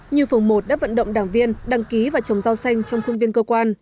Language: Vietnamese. như phần một đáp vận động đảng viên đăng ký và chống giao xanh trong khuôn viên cơ quan